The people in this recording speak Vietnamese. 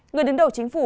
người đứng đầu chính phủ